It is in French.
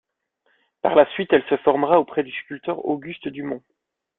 Par la suite, elle se formera auprès du sculpteur Auguste Dumont.